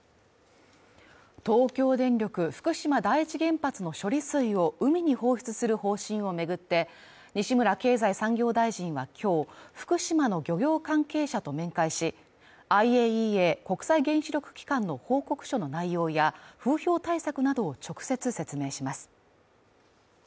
東京電力福島第一原発の処理水を海に放出する方針を巡って、西村経済産業大臣は今日、福島の漁業関係者と面会し、ＩＡＥＡ＝国際原子力機関の報告書の内容や風評対策などを直接説明します。